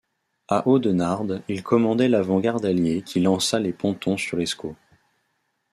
À Audenarde il commandait l’avant-garde alliée qui lança les pontons sur l’Escaut.